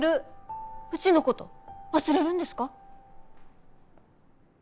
うちのこと忘れるんですか？